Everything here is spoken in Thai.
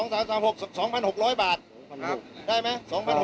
ได้ไหม๒๖๐๐๒๙๐๐บาทได้๑๓คนไง